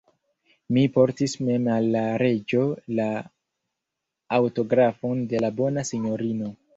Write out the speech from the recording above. Mi portis mem al la reĝo la aŭtografon de la bona sinjorino.